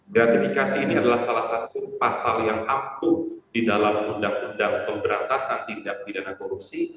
gratifikasi ini adalah salah satu pasal yang ampuh di dalam undang undang pemberantasan tindak pidana korupsi